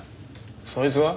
そいつは？